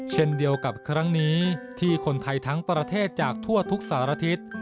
เช่นเดียวกับครั้งนี้ที่คนไทยทั้งประเทศจากทั่วทุกสารทิศ